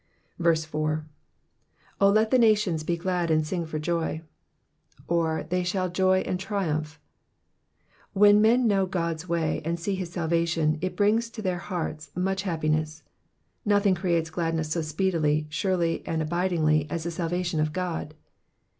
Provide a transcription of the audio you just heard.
4. ^^ 0 let the nati/ym he glad and sing for joy^^^ or, they shall joy and triumph. When men know God's way and see his salvation, it brings to their hearts much happiness. Nothing creates gladness so speedily, surely, and abidingly as the salvation of God.